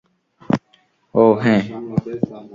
ও, হ্যাঁ।